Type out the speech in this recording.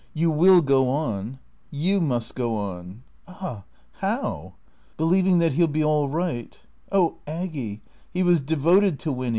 "You will go on?" "You must go on." "Ah how?" "Believing that he'll be all right." "Oh, Aggy, he was devoted to Winny.